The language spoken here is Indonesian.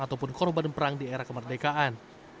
ataupun korban perang di era kemerdekaan